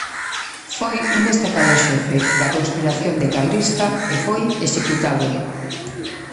Foi un destacado xefe da conspiración decabrista e foi executado.